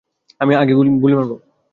আমি আগে গুলি মারব।